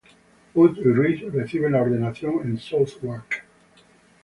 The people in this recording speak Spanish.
Wood y Rees reciben la ordenación en Southwark.